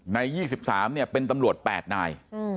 ใน๒๓เป็นตำรวจ๘นาย